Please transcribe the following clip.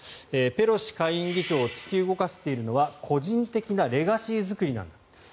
ペロシ下院議長を突き動かしているのは個人的なレガシー作りなんだと。